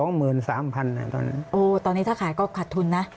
๒๓หมื่นตอนนี้ถ้าขายก็หัดทุนนะ